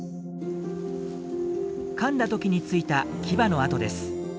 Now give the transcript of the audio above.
かんだ時についた牙の跡です。